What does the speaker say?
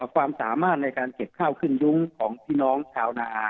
ความสามารถในการเก็บข้าวขึ้นยุ้งของพี่น้องชาวนา